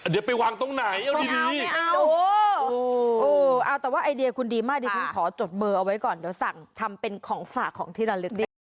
แต่ว่าไอเดียคุณดีมากดิต้องขอจดเบอร์เอาไว้ก่อนสั่งเป็นของฝากของที่ระละก